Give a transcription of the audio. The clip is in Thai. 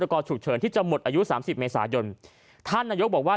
กอฉุกเฉินที่จะหมดอายุสามสิบเมษายนท่านนายกบอกว่า